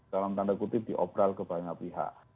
dalam tanda kutip diobral ke banyak pihak